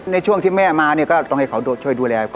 ในช่วงที่แม่มาเนี่ยก็ต้องให้เขาช่วยดูแลก่อน